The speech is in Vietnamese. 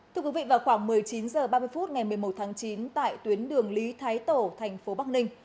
thưa quý vị vào khoảng một mươi chín h ba mươi phút ngày một mươi một tháng chín tại tuyến đường lý thái tổ thành phố bắc ninh